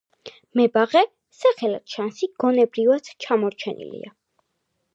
მებაღე სახელად შანსი გონებრივად ჩამორჩენილია.